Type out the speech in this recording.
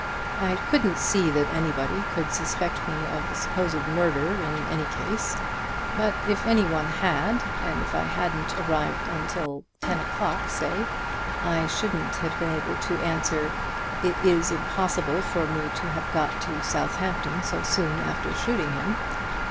I couldn't see that anybody could suspect me of the supposed murder in any case; but if any one had, and if I hadn't arrived until ten o'clock, say, I shouldn't have been able to answer: 'It is impossible for me to have got to Southampton so soon after shooting him.'